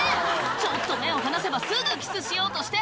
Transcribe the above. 「ちょっと目を離せばすぐキスしようとして！」